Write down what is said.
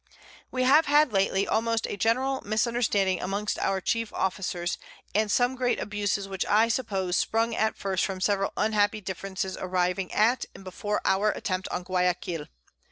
We have had lately almost a general Misunderstanding amongst our Chief Officers, and some great Abuses which I suppose sprung at first from several unhappy Differences arising at and before our Attempt on Guiaquil.